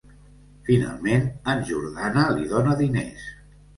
Finalment, en Jordana li dóna diners.